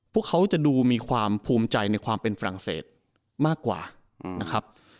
พวกเขาจะดูมีความภูมิใจในความเป็นฝรั่งเศสมากกว่านะครับ